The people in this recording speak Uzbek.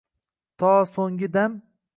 To so’nggi dam